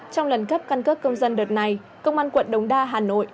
trong lần cấp căn cước công dân đợt này công an quận đống đa hà nội